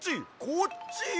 こっちよ！